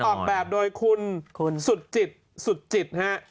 ออกแบบโดยคุณสุดจิตสุดจิตฮะ